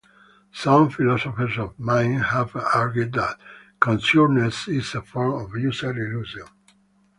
Some philosophers of mind have argued that consciousness is a form of user illusion.